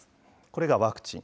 これがワクチン。